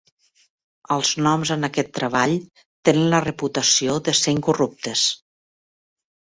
Els noms en aquest treball tenen la reputació de ser incorruptes.